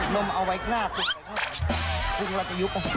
น้ำเอาไว้หน้าตุ๊กกัน